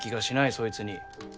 そいつに。